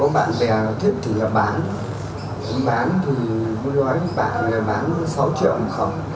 bạn bán sáu triệu không